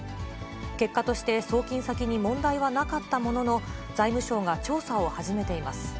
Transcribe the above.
結果として、送金先に問題はなかったものの、財務省が調査を始めています。